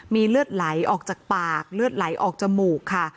มีเลือดไหลออกจากปากเลือดไหลออกจมูกค่ะ